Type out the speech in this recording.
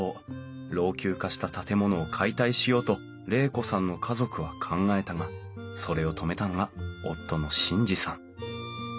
老朽化した建物を解体しようと玲子さんの家族は考えたがそれを止めたのが夫の眞二さん。